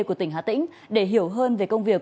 của tỉnh hà tĩnh để hiểu hơn về công việc